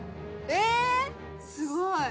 えぇすごい！